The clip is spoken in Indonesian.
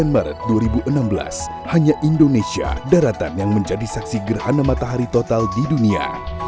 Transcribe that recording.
sembilan maret dua ribu enam belas hanya indonesia daratan yang menjadi saksi gerhana matahari total di dunia